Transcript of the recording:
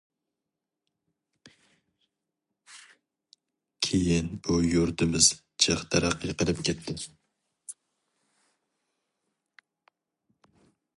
كېيىن بۇ يۇرتىمىز جىق تەرەققىي قىلىپ كەتتى.